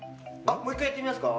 もう１回やってみますか？